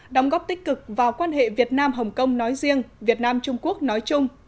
đóng góp tích cực vào quan hệ việt nam hồng kông nói riêng việt nam trung quốc nói chung